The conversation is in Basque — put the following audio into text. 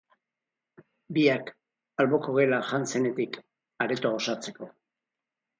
Biak, alboko gela jan zenetik, aretoa osatzeko.